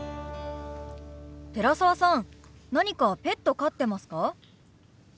寺澤さん何かペット飼ってますか？